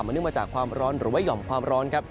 เนื่องมาจากความร้อนหรือว่าห่อมความร้อนครับ